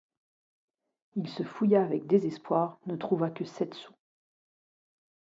Il se fouilla avec désespoir, ne trouva que sept sous.